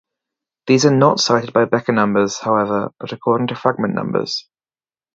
These are not cited by Bekker numbers, however, but according to fragment numbers.